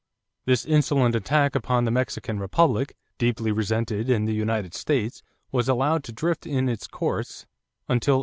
This insolent attack upon the Mexican republic, deeply resented in the United States, was allowed to drift in its course until 1865.